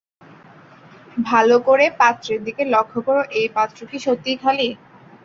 ভালো করে পাত্রের দিকে লক্ষ্য করো, এই পাত্র কি সত্যিই খালি?